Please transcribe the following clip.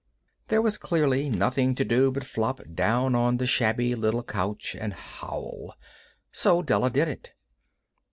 There was clearly nothing to do but flop down on the shabby little couch and howl. So Della did it.